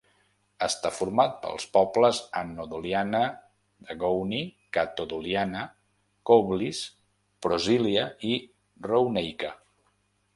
Està format pels pobles Ano Doliana, Dragouni, Kato Doliana, Kouvlis, Prosilia i Rouneika.